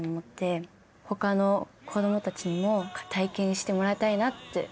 他の子どもたちにも体験してもらいたいなって。